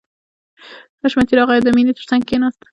حشمتي راغی او د مینې تر څنګ کښېناست